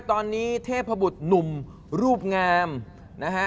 ตอนนี้เทพบุตรหนุ่มรูปงามนะฮะ